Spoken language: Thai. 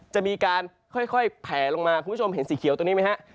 จะมีการค่อยแผลลงมาคุณผู้ชมเห็นสีเขียวตรงนี้ไหมฮะ